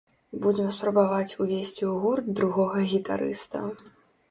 Будзем спрабаваць ўвесці ў гурт другога гітарыста.